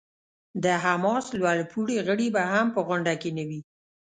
د حماس لوړ پوړي غړي به هم په غونډه کې نه وي.